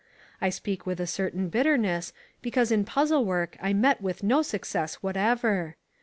I speak with a certain bitterness because in puzzle work I met with no success whatever.